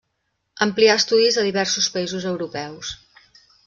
Amplià estudis a diversos països europeus.